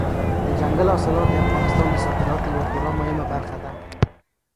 دځنګل حاصلات د افغانستان د صادراتو یوه خورا مهمه برخه ده.